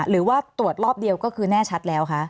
หรือว่าตรวจรอบเดียวก็คือแน่ชัดแล้วคะ